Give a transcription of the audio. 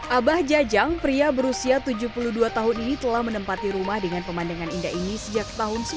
abah jajang pria berusia tujuh puluh dua tahun ini telah menempati rumah dengan pemandangan indah ini sejak tahun seribu sembilan ratus sembilan puluh